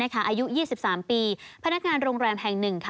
อายุ๒๓ปีพนักงานโรงแรมแห่ง๑